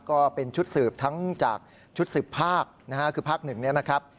ก็เป็นชุดสืบทั้งจากชุดสืบภาคคือภาค๑นะครับ